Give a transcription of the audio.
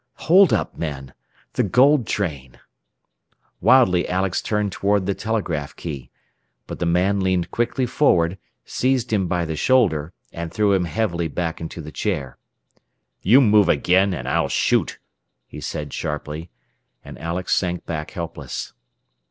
Hold up men! The gold train! Wildly Alex turned toward the telegraph key. But the man leaned quickly forward, seized him by the shoulder, and threw him heavily back into the chair. "You move again and I'll shoot!" he said sharply, and Alex sank back helpless.